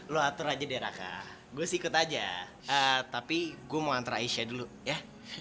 lo atur aja deh raka gue sih ikut aja tapi gue mau antara aisyah dulu ya